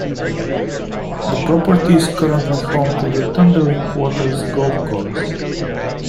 The property is currently home to the Thundering Waters Golf Course.